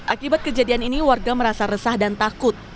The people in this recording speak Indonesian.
akibat kejadian ini warga merasa resah dan takut